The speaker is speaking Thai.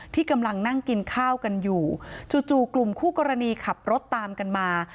ที่กำลังนั่งกินข้าวกันอยู่จู่กลุ่มคู่กรณีขับรถตามกันมา